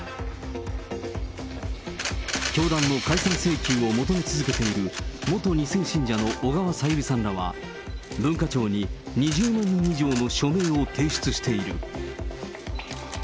教団の解散請求を求め続けている元２世信者の小川さゆりさんらは、文化庁に２０万人以上の署名を提出している。